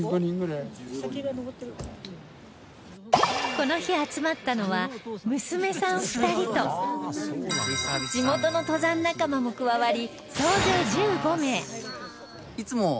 この日集まったのは娘さん２人と地元の登山仲間も加わり総勢１５名